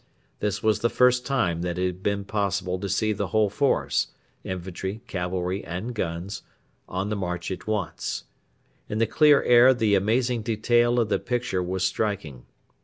This was the first time that it had been possible to see the whole force infantry, cavalry, and guns on the march at once. In the clear air the amazing detail of the picture was striking.